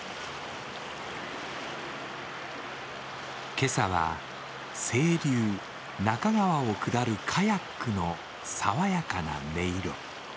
今朝は清流、中川を下るカヤックの爽やかな音色。